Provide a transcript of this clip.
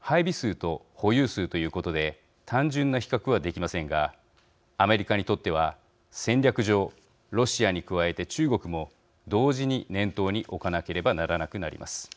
配備数と保有数ということで単純な比較はできませんがアメリカにとっては戦略上ロシアに加えて中国も同時に念頭に置かなければならなくなります。